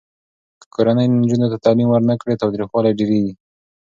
که کورنۍ نجونو ته تعلیم ورنه کړي، تاوتریخوالی ډېریږي.